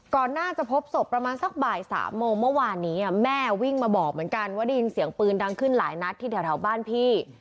ก่อนหน้าจะพบศพประมาณสักบ่าย๓โมงเมื่อวานนี้แม่วิ่งมาบอกเหมือนกันว่าได้ยินเสียงปืนดังขึ้นหลายนัดที่แถวบ้านพี่